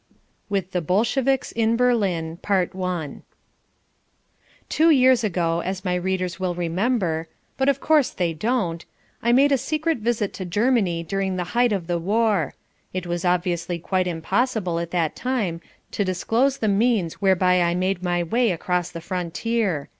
II. With the Bolsheviks in Berlin Two years ago as my readers will remember, but of course they don't, I made a secret visit to Germany during the height of the war. It was obviously quite impossible at that time to disclose the means whereby I made my way across the frontier.